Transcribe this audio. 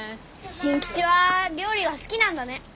真吉は料理が好きなんだね。